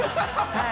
はい。